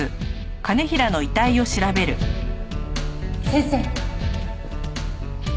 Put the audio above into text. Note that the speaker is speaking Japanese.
先生。